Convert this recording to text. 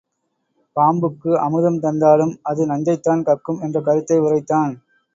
பாம்புக்கு அமுதம் தந்தாலும் அது நஞ்சைத்தான் கக்கும் என்ற கருத்தை உரைத்தான்.